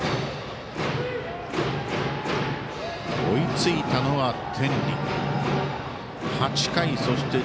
追いついたのは天理。